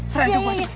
seren semua cepet